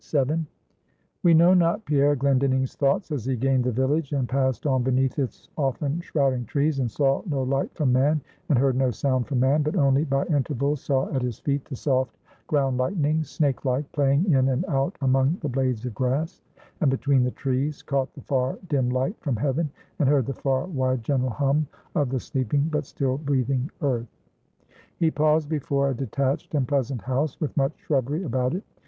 VII. We know not Pierre Glendinning's thoughts as he gained the village and passed on beneath its often shrouding trees, and saw no light from man, and heard no sound from man, but only, by intervals, saw at his feet the soft ground lightnings, snake like, playing in and out among the blades of grass; and between the trees, caught the far dim light from heaven, and heard the far wide general hum of the sleeping but still breathing earth. He paused before a detached and pleasant house, with much shrubbery about it.